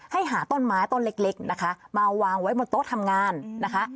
หาต้นไม้ต้นเล็กนะคะมาวางไว้บนโต๊ะทำงานนะคะ